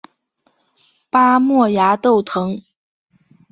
巴莫崖豆藤